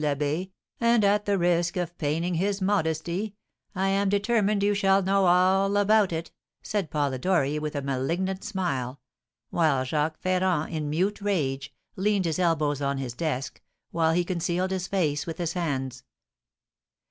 l'Abbé, and, at the risk of paining his modesty, I am determined you shall know all about it," said Polidori, with a malignant smile, while Jacques Ferrand, in mute rage, leaned his elbows on his desk, while he concealed his face with his hands.